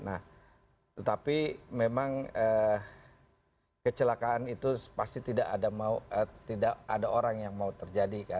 nah tetapi memang kecelakaan itu pasti tidak ada orang yang mau terjadi kan